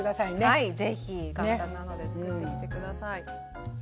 はいぜひ簡単なので作ってみて下さい。